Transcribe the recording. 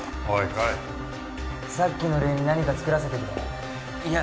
海さっきの礼に何か作らせてくれいや